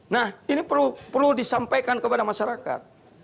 nah ini perlu disampaikan kepada masyarakat